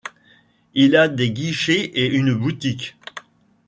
Elle a des guichets et une boutique.